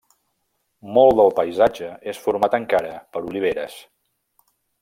Molt del paisatge és format encara per oliveres.